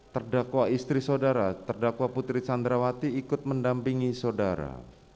terdakwa istri saudara terdakwa putri candrawati ikut mendampingi saudara